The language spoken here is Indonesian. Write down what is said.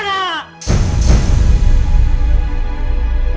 mbak ibu mau aku jadi anak baik